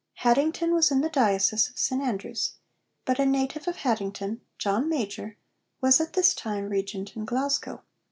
Haddington was in the diocese of St Andrews, but a native of Haddington, John Major, was at this time Regent in Glasgow.